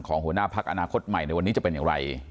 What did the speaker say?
หัวหน้าพักอนาคตใหม่ในวันนี้จะเป็นอย่างไร